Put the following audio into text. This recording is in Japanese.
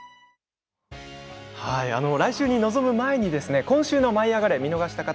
来週に臨む前に今週の「舞いあがれ！」を見逃した方